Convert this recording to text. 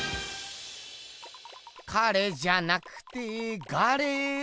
彼じゃなくてガレ。